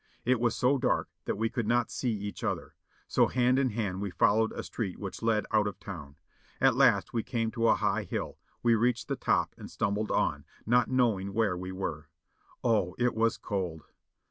It was so dark that we could not see each other, so hand in hand we followed a street which led out of town. At last we came to a high hill ; we reached the top and stumbled on, not knowing where we were. Oh it was cold